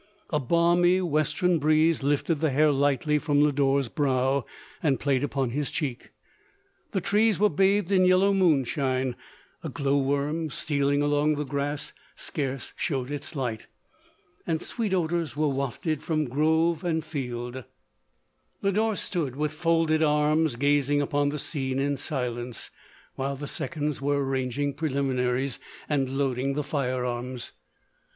A balmy, western breeze lifted the hair lightly from Lodore's brow, and played upon his cheek ; the trees were bathed in yellow moonshine ; a glowworm stealing along the grass scarce showed its light ; and sweet odours were wafted from grove and LODORE. 269 field. Lodore stood, with folded arms, gazing upon the scene in silence, while the seconds were arranging preliminaries, and loading the fire arms.